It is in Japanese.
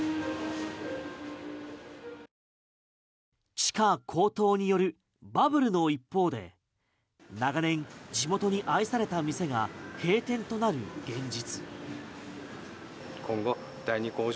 地下高騰によるバブルの一方で長年、地元に愛された店が閉店となる現実。